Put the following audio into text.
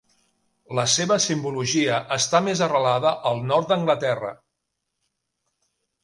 La seva simbologia està més arrelada al nord d'Anglaterra.